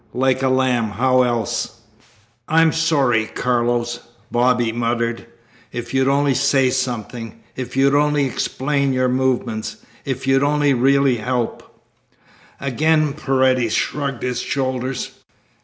"Like a lamb. How else?" "I'm sorry, Carlos," Bobby muttered. "If you'd only say something! If you'd only explain your movements! If you'd only really help!" Again Paredes shrugged his shoulders.